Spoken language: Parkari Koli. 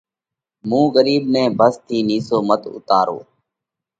مُون ڳرِيٻ نئہ ڀس ٿِي نِيسو مت اُوتارو۔